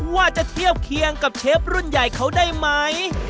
ว่าจะเทียบเคียงกับเชฟรุ่นใหญ่เขาได้ไหม